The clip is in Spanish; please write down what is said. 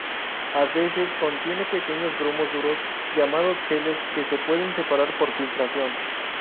A veces contiene pequeños grumos duros, llamados geles, que se pueden separar por filtración.